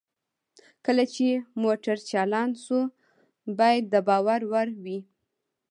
کله چې موټر چالان شو باید د باور وړ وي